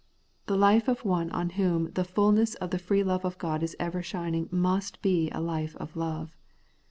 The life of one on whom the fulness of the free love of God is ever shining must be a life of love.